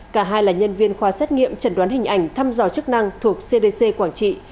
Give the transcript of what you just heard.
cả hai là nhân viên khoa xét nghiệm chẩn đoán hình ảnh thăm dò chức năng thuộc cdc quảng trị